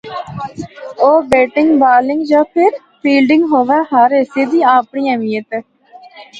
او batting, bowling یا پھر فیلڈنگ ہوا ہر حصہ دی اپنڑی اہمیت اے۔